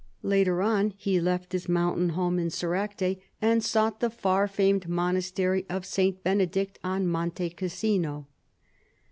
Later on, he left his mountain home in 68 CHARLEMAGNE. Soracte and sought the far famed monastery of St. Benedict on Monte Cassino.